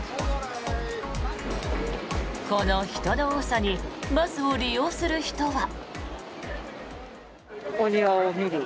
この人の多さにバスを利用する人は。